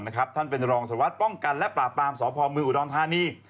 ท่านเป็นรองสวัสดิป้องกันและปราบปรามสพเมืองอุดรธานี